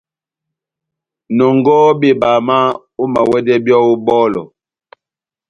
Nɔngɔhɔ bebama, omawɛdɛ byɔ́ ó bɔlɔ.